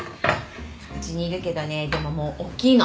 うちにいるけどねでももうおっきいの。